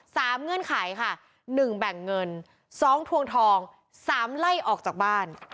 เงื่อนไขค่ะหนึ่งแบ่งเงินสองทวงทองสามไล่ออกจากบ้าน